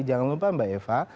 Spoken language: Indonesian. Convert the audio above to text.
jangan lupa mbak eva